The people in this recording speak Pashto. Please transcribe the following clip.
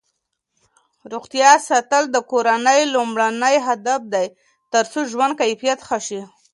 روغتیا ساتل د کورنۍ لومړنی هدف دی ترڅو ژوند کیفیت ښه شي.